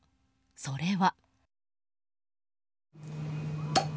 それは。